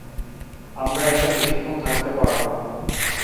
আমরা এভাবে বেশিক্ষণ থাকতে পারবো না!